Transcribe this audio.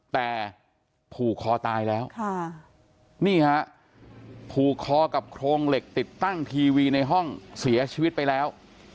แต่ผูกคอตายแล้วนี่ฮะผูกคอกับโครงเหล็กติดตั้งทีวีในห้องเสียชีวิตไปแล้ว